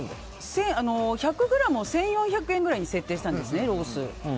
１００ｇを１４００円ぐらいに設定したんですね、ロース。